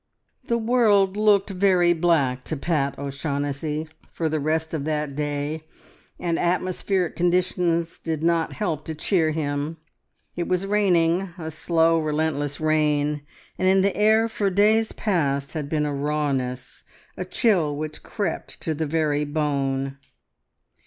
The world looked very black to Pat O'Shaughnessy for the rest of that day, and atmospheric conditions did not help to cheer him. It was raining, a slow, relentless rain, and in the air for days past had been a rawness, a chill which crept to the very bone.